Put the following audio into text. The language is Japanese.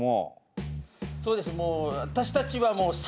そうです。